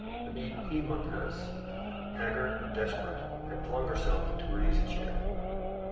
The Piedmontese, haggard and desperate, had flung herself into her easy chair.